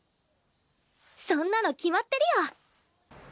そんなの決まってるよ。